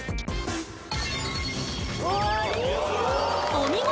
お見事！